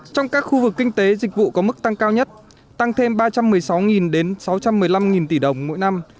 trong các khu vực kinh tế dịch vụ có mức tăng cao nhất tăng thêm ba trăm một mươi sáu đến sáu trăm một mươi năm tỷ đồng mỗi năm